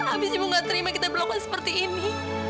abis ibu gak terima kita berlaku seperti ini